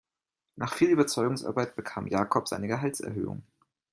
Nach viel Überzeugungsarbeit bekam Jakob seine Gehaltserhöhung.